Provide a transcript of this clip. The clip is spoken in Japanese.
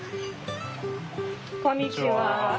こんにちは。